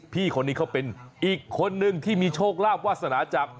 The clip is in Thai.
พี่คนนี้เขาเป็นอีกคนนึงที่มีโชคลาภวาสนาจาก